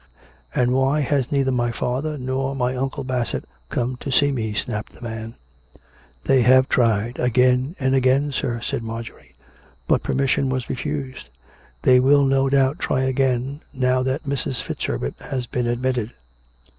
" And why has neither my father nor my Uncle Bassett come to see me ?" snapped the man. " They have tried again and again, sir," said Marjorie. " But permission was refused. They will no doubt try again, now that Mrs. FitzHerbert has been admitted."